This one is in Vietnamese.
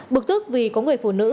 bực tức vì có người phụ nữ